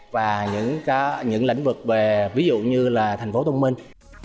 và những lĩnh vực về ví dụ như là thành phố thông minh